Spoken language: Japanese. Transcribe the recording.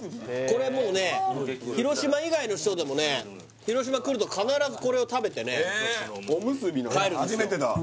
これもうね広島以外の人でもね広島来ると必ずこれを食べてね帰るんですよ